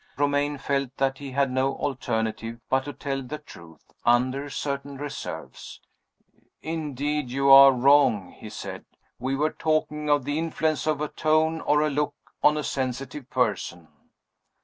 Romayne felt that he had no alternative but to tell the truth under certain reserves. "Indeed you are wrong," he said. "We were talking of the influence of a tone or a look on a sensitive person."